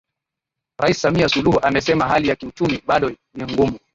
Rais samia suluhu amesema hali ya kiuchumi bado ni ngumu